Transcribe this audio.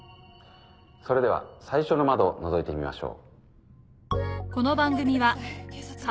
それでは最初の窓をのぞいてみましょう。